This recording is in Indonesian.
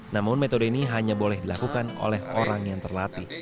namun metode ini hanya boleh dilakukan oleh orang yang terlatih